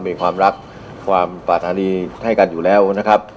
มีความรักความปรารถนาดีให้กันอยู่แล้วนะครับ